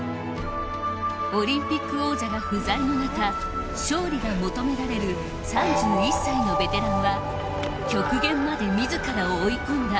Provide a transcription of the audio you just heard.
オリンピック王者が不在の中勝利が求められる３１歳のベテランは、極限まで自らを追い込んだ。